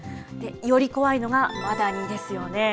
より怖いのがマダニですよね。